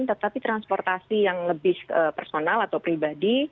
tetapi transportasi yang lebih personal atau pribadi